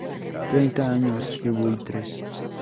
Treinta Años" y "Buitres.